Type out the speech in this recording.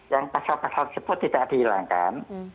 yang pasal pasal tersebut tidak dihilangkan